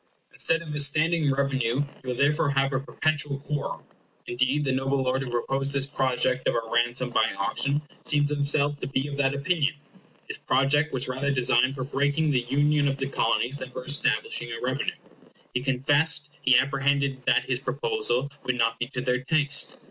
Instead of a standing revenue, you will therefore have a perpetual quarrel. Indeed, the noble lord who proposed this project of a ransom by auction seems himself to be of that opinion. His project was rather designed for breaking the union of the Colonies than for establishing a revenue. He confessed he apprehended that his proposal would not be to their taste.